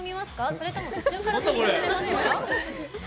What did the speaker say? それとも途中から水を飲みますか？